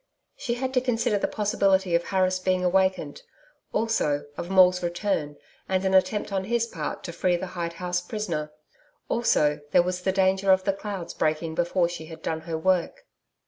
She had to consider the possibility of Harris being awakened; also, of Maule's return and an attempt on his part to free the hide house prisoner. Also there was the danger of the clouds breaking before she had done her work.